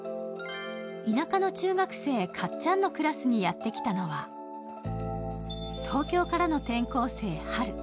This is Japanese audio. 田舎の中学生、かっちゃんのクラスにやってきたのは東京からの転校生・ハル。